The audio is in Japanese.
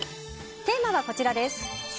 テーマはこちらです。